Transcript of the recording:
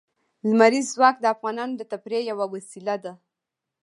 لمریز ځواک د افغانانو د تفریح یوه وسیله ده.